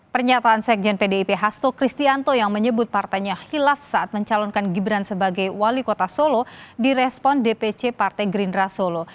pernyataan sekjen pdip hasto kristianto yang menyebut partainya hilaf saat mencalonkan gibran sebagai wali kota solo direspon dpc partai gerindra solo